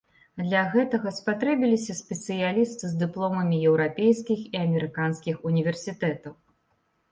Для гэтага спатрэбіліся спецыялісты з дыпломамі еўрапейскіх і амерыканскіх універсітэтаў.